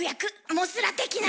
モスラ的な。